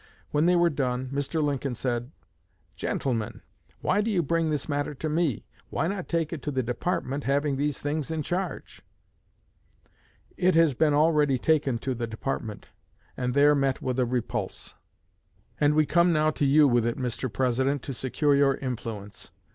When they were done, Mr. Lincoln said, 'Gentlemen, why do you bring this matter to me? Why not take it to the Department having these things in charge?' 'It has been taken already to the Department, and there met with a repulse, and we come now to you with it, Mr. President, to secure your influence.